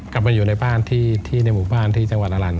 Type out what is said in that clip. กลับไปอยู่ในบ้านที่ในหมู่บ้านที่จังหวัดอลันท